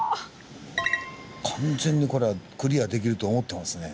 完全にこれはクリアできると思ってますね。